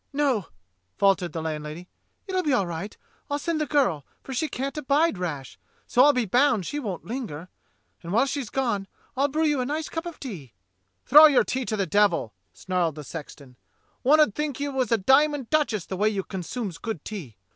"No," faltered the landlady. "It's all right, I'll send the girl; for she can't abide Rash, so I'll be bound she won't linger. And while she's gone I'll brew you a nice cup of tea." "Throw your tea to the devil," snarled the sexton. "One 'ud think you was a diamond duchess the way you consumes good tea.